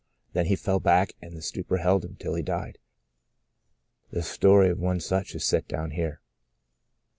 Then he fell back and the stupor held him till he died. The story of one such is set down here.